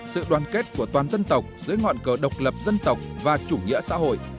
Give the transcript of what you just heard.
sự đoàn kết của toàn dân tộc dưới ngọn cờ độc lập dân tộc và chủ nghĩa xã hội